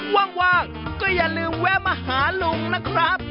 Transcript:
ว่างก็อย่าลืมแวะมาหาลุงนะครับ